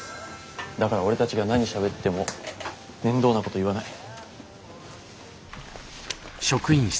だから俺たちが何しゃべっても面倒なこと言わない。